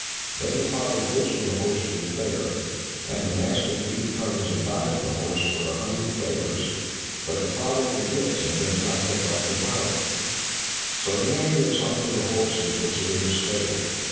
Then the father goes with the horse to the fair, and the master thief comes and buys the horse for a hundred thalers, but the father forgets, and does not take off the bridle. So the man goes home with the horse, and puts it in the stable.